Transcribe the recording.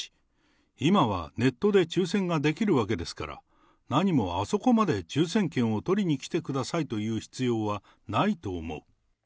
今はネットで抽せんができるわけですから、何もあそこまで抽せん券を取りに来てくださいという必要はないと思う。